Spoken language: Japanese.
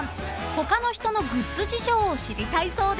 ［他の人のグッズ事情を知りたいそうです］